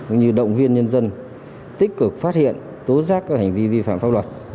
cũng như động viên nhân dân tích cực phát hiện tố giác các hành vi vi phạm pháp luật